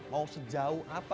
mau sejauh apa